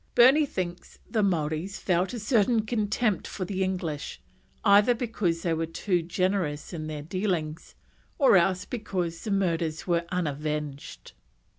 Burney thinks the Maoris felt a certain contempt for the English, either because they were too generous in their dealings, or else because the murders were unavenged.